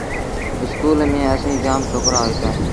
اسڪول ميݩ اسيٚݩ جآم ڇوڪرآ هوئيٚتآ۔